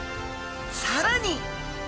さらに！